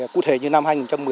cụ thể năm hai nghìn một mươi tám